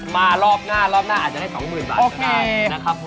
มารอบหน้ารอบหน้าอาจจะได้สองหมื่นบาทเท่านั้น